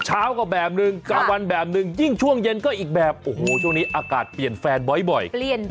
เช้าก็แบบนึงกลางวันแบบนึงยิ่งช่วงเย็นก็อีกแบบโอ้โหช่วงนี้อากาศเปลี่ยนแฟนบ่อย